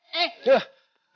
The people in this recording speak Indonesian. gue mau berdoa sama siapa